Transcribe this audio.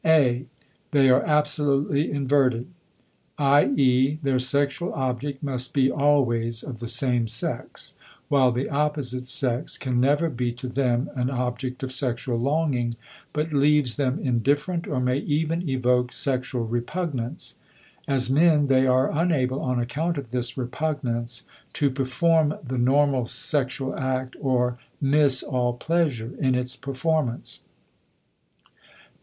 (a) They are absolutely inverted; i.e., their sexual object must be always of the same sex, while the opposite sex can never be to them an object of sexual longing, but leaves them indifferent or may even evoke sexual repugnance. As men they are unable, on account of this repugnance, to perform the normal sexual act or miss all pleasure in its performance.